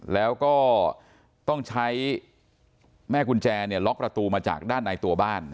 แล้วก็ต้องใช้แม่กุญแจล็อกประตูมาจากด้านในตัวบ้าน